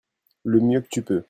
Le mieux que tu peux.